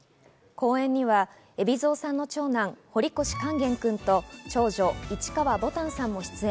公演には海老蔵さんの長男・堀越勸玄くんと長女・市川ぼたんさんも出演。